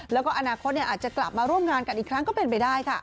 แล้วก็อนาคตอาจจะกลับมาร่วมงานกันอีกครั้งก็เป็นไปได้ค่ะ